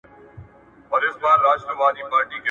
مراقبه د ذهن ارامي زیاتوي.